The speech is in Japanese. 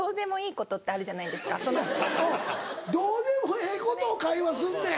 どうでもええことを会話すんねん。